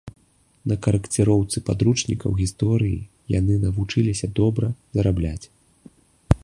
На карэкціроўцы падручнікаў гісторыі яны навучыліся добра зарабляць.